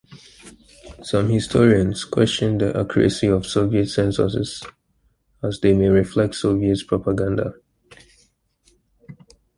Some historians question the accuracy of Soviet censuses, as they may reflect Soviet propaganda.